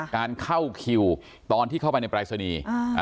การเข้าคิวตอนที่เข้าไปในปรายศนีย์